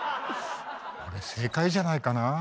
俺正解じゃないかな。